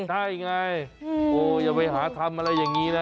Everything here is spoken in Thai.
ใช่ไงโอ้อย่าไปหาทำอะไรอย่างนี้นะ